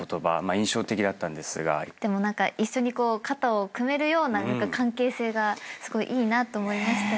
でも何か一緒にこう肩を組めるような関係性がすごいいいなと思いました。